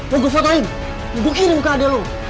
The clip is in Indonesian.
mau gue fotoin bukinin ke adek lo